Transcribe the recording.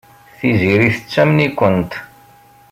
Tiziri tettamen-ikent.